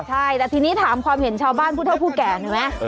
ใช่แต่ทีนี้ถามความเห็นชาวบ้านผู้เท่าผู้แก่เห็นไหม